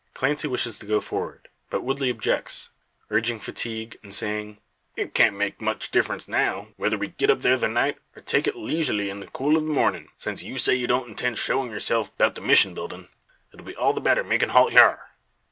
Clancy wishes to go forward, but Woodley objects, urging fatigue, and saying: "It can't make much diff'rence now, whether we git up thar the night, or take it leezyurly in the cool o' the mornin'. Since you say ye don't intend showin' yourself 'bout the mission buildin', it'll be all the better makin' halt hyar.